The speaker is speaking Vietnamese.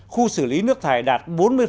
khu xử lý nước thải đạt bốn mươi